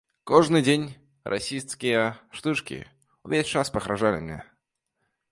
Кожны дзень расісцкія штучкі, увесь час пагражалі мне.